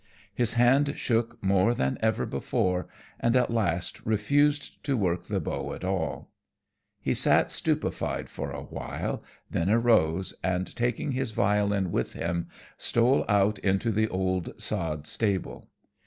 His hand shook more than ever before, and at last refused to work the bow at all. He sat stupefied for a while, then arose, and taking his violin with him, stole out into the old sod stable.